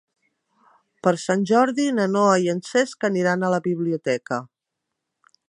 Per Sant Jordi na Noa i en Cesc aniran a la biblioteca.